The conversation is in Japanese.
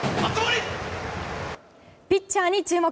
ピッチャーに注目。